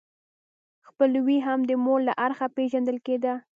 خپلوي هم د مور له اړخه پیژندل کیده.